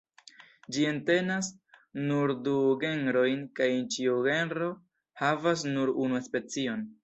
Ĝi entenas nur du genrojn, kaj ĉiu genro havas nur unu specion.